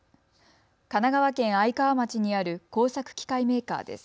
神奈川県愛川町にある工作機械メーカーです。